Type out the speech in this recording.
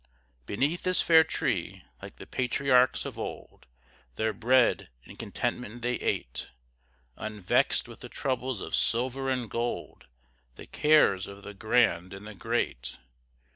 Beneath this fair tree, like the patriarchs of old, Their bread in contentment they ate, Unvexed with the troubles of silver and gold, The cares of the grand and the great.